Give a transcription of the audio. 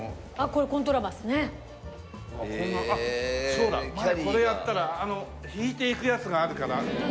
そうだ前これやったら引いていくやつがあるから随分助かったとか。